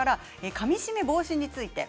かみしめ防止について。